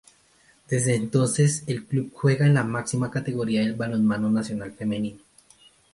Desde entonces el Club juega en la máxima categoría del balonmano nacional femenino.